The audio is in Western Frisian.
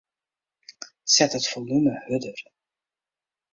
Set it folume hurder.